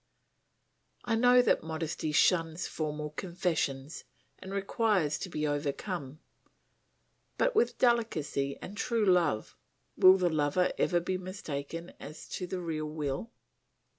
I know that modesty shuns formal confessions and requires to be overcome; but with delicacy and true love, will the lover ever be mistaken as to the real will?